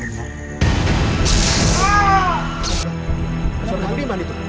soalnya diman itu